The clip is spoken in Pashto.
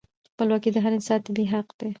خپلواکي د هر انسان طبیعي حق دی.